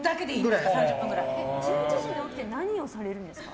１１時に起きて何をされるんですか。